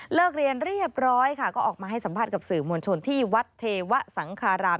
เรียนเรียบร้อยค่ะก็ออกมาให้สัมภาษณ์กับสื่อมวลชนที่วัดเทวะสังคาราม